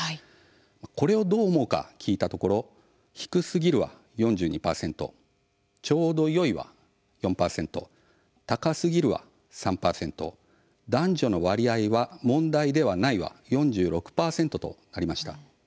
これをどう思うか聞いたところ低すぎるは４２％ちょうどよいは４％高すぎるは３％男女の割合は問題ではないは４６％となりました。